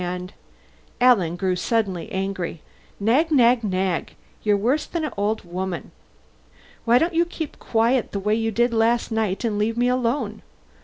And " Alan grew suddenly angry. "Nag, nag, nag! You're worse than an old woman! Why don't you keep quiet the way you did last night, and leave me alone?